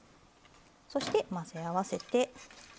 そして混ぜ合わせて。